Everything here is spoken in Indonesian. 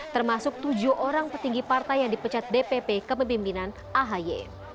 termasuk tujuh orang petinggi partai yang dipecat dpp kepemimpinan ahy